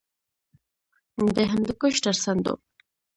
د هندوکش تر څنډو